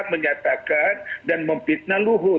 menyatakan dan memfitnah luhut